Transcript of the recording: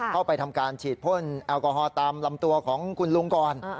เข้าไปทำการฉีดพ่นแอลกอฮอล์ตามลำตัวของคุณลุงก่อน